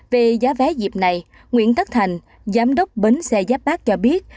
về giá vé dịp này nguyễn thất thành giám đốc bến xe giáp bắc cho biết